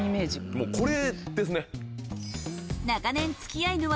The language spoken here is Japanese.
もうこれですね。